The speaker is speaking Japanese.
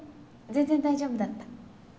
全然大丈夫だった。